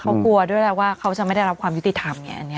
เขากลัวด้วยแล้วว่าเขาจะไม่ได้รับความยุติธรรมไง